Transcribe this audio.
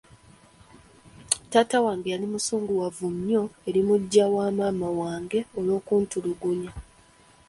Taata wange yali musunguwavu nnyo eri muggya wamaama wange olw'okuntulugunya.